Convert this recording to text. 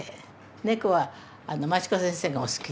猫は町子先生がお好きで。